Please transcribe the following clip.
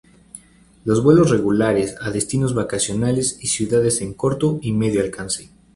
Los vuelos regulares a destinos vacacionales y ciudades en corto y medio alcance.